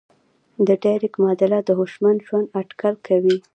د ډریک معادله د هوشمند ژوند اټکل کوي.